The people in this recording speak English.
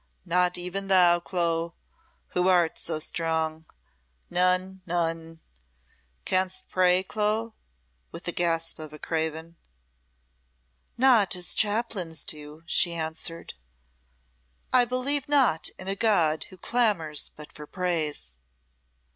"Not even thou, Clo, who art so strong. None none! Canst pray, Clo?" with the gasp of a craven. "Not as chaplains do," she answered. "I believe not in a God who clamours but for praise."